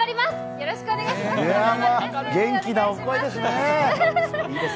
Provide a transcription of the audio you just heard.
よろしくお願いします！